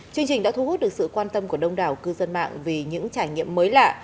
chương trình đã thu hút được sự quan tâm của đông đảo cư dân mạng vì những trải nghiệm mới lạ